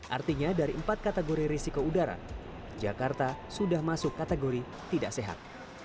artinya dari empat kategori risiko udara jakarta sudah masuk kategori tidak sehat